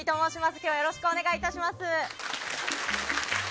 今日はよろしくお願いいたします。